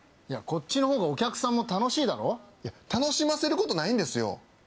いやこっちのほうがお客さんも楽しいだろ楽しませることないんですよ